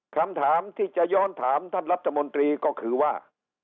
คำถามที่จะย้อนถามท่านรัฐมนตรีก็คือว่า